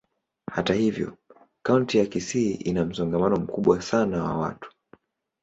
Hata hivyo, kaunti ya Kisii ina msongamano mkubwa sana wa watu.